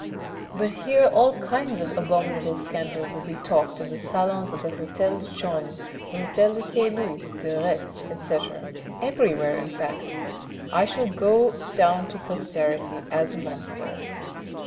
But here all kinds of abominable scandal will be talked in the salons of the hotel de Chaulnes, the hotel de Caylus, de Retz, etc., everywhere in fact. I shall go down to posterity as a monster."